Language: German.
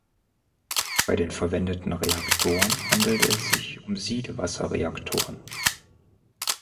Bei den verwendeten Reaktoren handelt es sich um Siedewasserreaktoren.